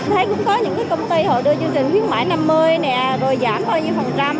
thấy cũng có những công ty họ đưa chương trình khuyến mãi năm mươi này rồi giảm bao nhiêu phần trăm